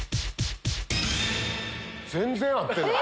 全然合ってない。